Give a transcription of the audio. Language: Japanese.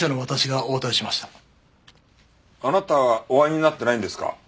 あなたお会いになってないんですか？